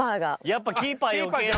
やっぱキーパー余計だ。